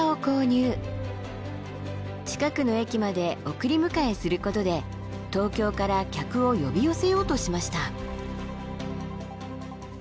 近くの駅まで送り迎えすることで東京から客を呼び寄せようとしました。